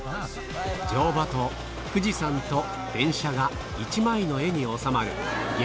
乗馬と富士山と電車が一枚の絵に収まる激